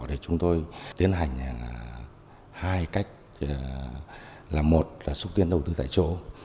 để chúng tôi tiến hành hai cách là một là xúc tiến đầu tư tại chỗ